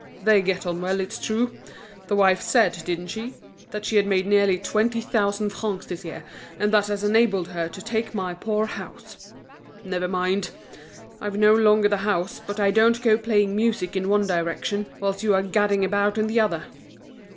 They get on well, it's true. The wife said, didn't she? that she had made nearly twenty thousand francs this year, and that has enabled her to take my poor house. Never mind! I've no longer the house, but I don't go playing music in one direction, whilst you are gadding about in the other.